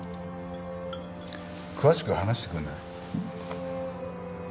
詳しく話してくれない？